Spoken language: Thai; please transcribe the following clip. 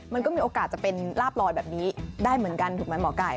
มันก็มีโอกาสจะเป็นลาบลอยแบบนี้ได้เหมือนกันถูกไหมหมอไก่